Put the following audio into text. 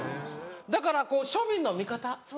だから庶民の味方うどん。